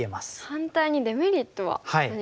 反対にデメリットは何がありますか？